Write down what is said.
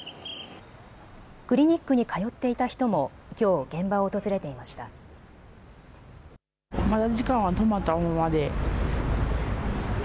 クリニックに通っていた人もきょう、現場を訪れていました。